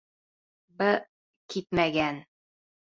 — Б... китмәгән.